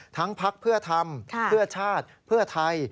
ทั้งพักเพื่อธรรมเพื่อชาติเพื่อไทย